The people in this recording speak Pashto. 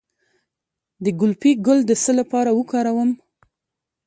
د ګلپي ګل د څه لپاره وکاروم؟